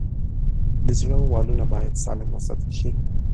د زړه والونه باید سالم وساتل شي.